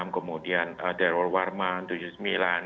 kemudian darul warman di tahun seribu sembilan ratus tujuh puluh sembilan